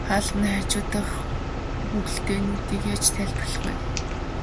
Хаалганы хажуу дахь хүүхэлдэйнүүдийг яаж тайлбарлах вэ?